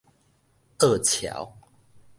僫撨